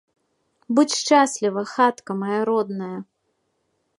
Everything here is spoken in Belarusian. Будзь шчасліва, хатка мая родная!